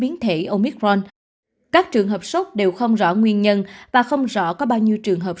biến thể omicron các trường hợp sốc đều không rõ nguyên nhân và không rõ có bao nhiêu trường hợp